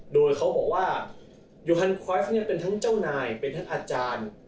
โดยเขาบอกว่าโยฮันครอยฟทเป็นทั้งเจ้านายเป็นท่านอาจารย์